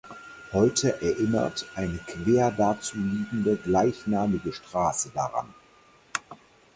Heute erinnert eine quer dazu liegende gleichnamige Straße daran.